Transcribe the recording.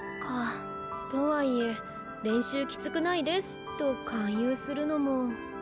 とはいえ「練習きつくないです」と勧誘するのも。